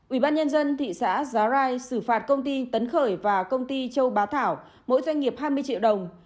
ủy ban nhân dân thị xã giá rai xử phạt công ty tấn khởi và công ty châu bá thảo mỗi doanh nghiệp hai mươi triệu đồng